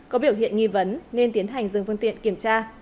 có biểu hiện nghi vấn nên tiến hành dừng phương tiện kiểm tra